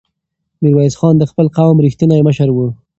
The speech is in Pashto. میرویس خان د خپل قوم رښتینی مشر و.